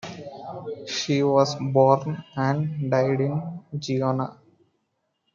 She was born and died in Genoa.